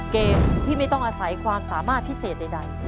เกมที่ไม่ต้องอาศัยความสามารถพิเศษใด